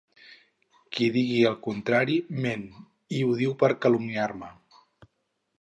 Qui diga el contrari ment i ho diu per calumniar-me.